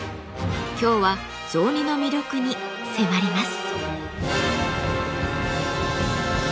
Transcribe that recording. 今日は雑煮の魅力に迫ります。